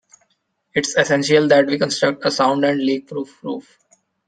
It's essential that we construct a sound and leakproof roof.